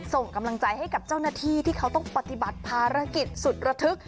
ส่งกำลังใจให้กับเจ้าหน้าที่ที่เขาต้องปฏิบัติภารกิจสุดระทึก